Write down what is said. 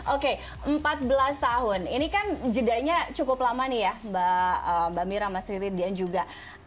oke empat belas tahun ini kan jedanya cukup lama nih ya mbak mira mas riri dan juga